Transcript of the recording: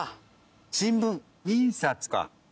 新聞印刷か。